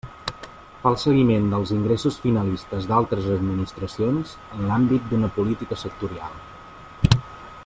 Fa el seguiment dels ingressos finalistes d'altres administracions en l'àmbit d'una política sectorial.